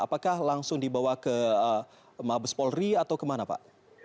apakah langsung dibawa ke mabes polri atau kemana pak